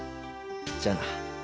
じゃあな。